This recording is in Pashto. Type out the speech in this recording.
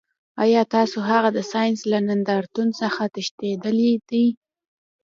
ایا تاسو هغه د ساینس له نندارتون څخه تښتولی دی